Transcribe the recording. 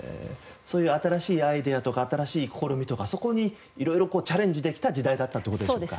そういう新しいアイデアとか新しい試みとかそこに色々チャレンジできた時代だったって事でしょうか？